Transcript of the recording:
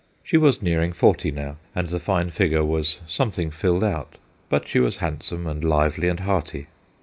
She was nearing forty now, and the fine figure was something filled out, but she was handsome and lively and hearty.